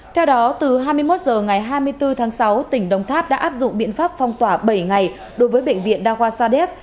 theo đó từ hai mươi một h ngày hai mươi bốn tháng sáu tỉnh đồng tháp đã áp dụng biện pháp phong tỏa bảy ngày đối với bệnh viện đa khoa sadek